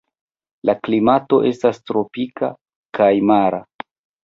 La klimato estas tropika kaj mara.